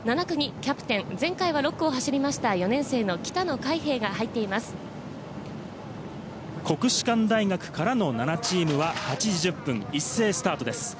７区にキャプテン、前回は６区を走りました、４年生の北野開平が国士舘大学からの７チームは８時１０分、一斉スタートです。